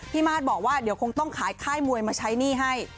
มาสบอกว่าเดี๋ยวคงต้องขายค่ายมวยมาใช้หนี้ให้